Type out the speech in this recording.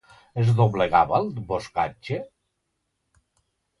Es doblegava el boscatge?